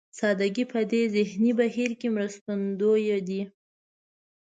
سادهګي په دې ذهني بهير کې مرستندوی دی.